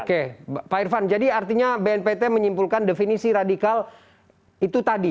oke pak irvan jadi artinya bnpt menyimpulkan definisi radikal itu tadi